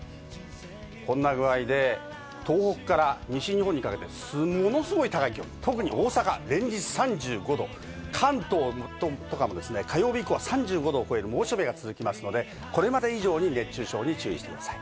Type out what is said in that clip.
こんな具合で、東北から西日本にかけてものすごい高い気温、特に大阪、連日３５度、関東とかもですね、火曜日以降は３５度を超える猛暑日が続きますので、これまで以上に熱中症に注意してください。